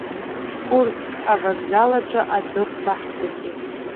Курск авокзал аҿы адәыӷба ҳҭыҵит.